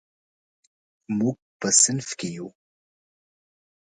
موږ په صنف کې یو.